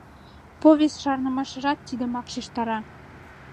Повесть-шарнымашыжат тидымак шижтара.